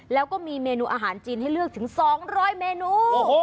แล้วก็มีเมนูอาหารจีนให้เลือกถึง๒๐๐เมนู